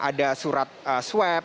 ada surat swab